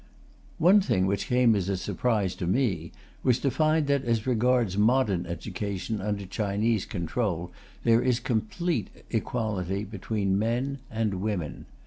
One thing which came as a surprise to me was to find that, as regards modern education under Chinese control, there is complete equality between men and women.